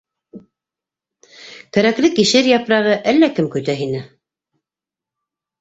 Кәрәкле кишер япрағы, әллә кем көтә һине...